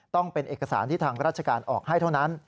ต้องเป็นเอกสารที่ทางราชการออกให้เท่านั้น